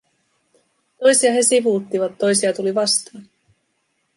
Toisia he sivuuttivat, toisia tuli vastaan.